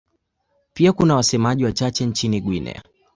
Pia kuna wasemaji wachache nchini Guinea.